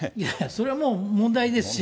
それはもう、問題ですし。